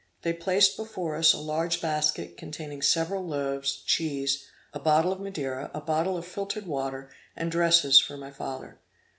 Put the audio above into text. They placed before us a large basket containing several loaves, cheese, a bottle of Madeira, a bottle of filtered water and dresses for my father.